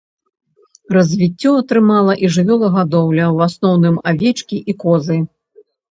Развіццё атрымала і жывёлагадоўля, у асноўным авечкі і козы.